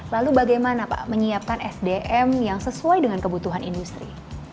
lalu bagaimana pak menyiapkan sdm yang sesuai dengan kebutuhan industri